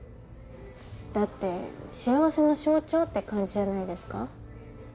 だって幸せの象徴って感じじゃないですか？